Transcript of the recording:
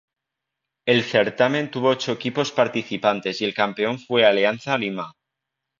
El certamen tuvo ocho equipos participantes y el campeón fue Alianza Lima.